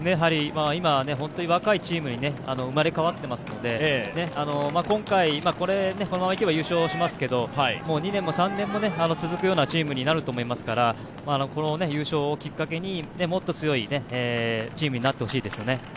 今は本当に若いチームに生まれ変わっていますので、今回このままいけば優勝しますけど、２年も３年も続くようなチームになると思いますからこの優勝をきっかけにもっと強いチームになってほしいですね。